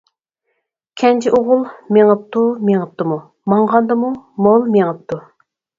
كەنجى ئوغۇل مېڭىپتۇ، مېڭىپتۇ، ماڭغاندىمۇ مول مېڭىپتۇ.